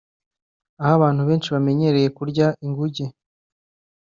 aho abantu benshi bamenyereye kurya inguge